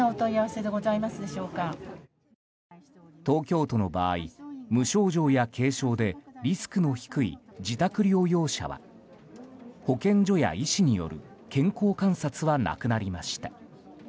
東京都の場合無症状や軽症でリスクの低い自宅療養者は保健所や医師による健康観察はなくなりました。